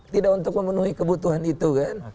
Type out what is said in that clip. tidak untuk memenuhi kebutuhan itu kan